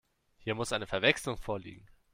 Hier muss eine Verwechslung vorliegen.